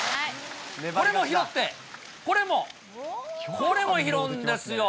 これも拾って、これも、これも拾うんですよ。